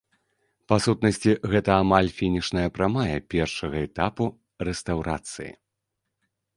Па сутнасці, гэта амаль фінішная прамая першага этапу рэстаўрацыі.